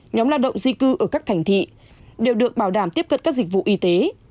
nhóm lao động di cư ở các thành thị đều được bảo đảm tiếp cận các dịch vụ y tế